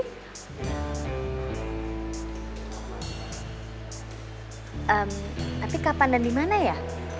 tapi kapan dan dimana ya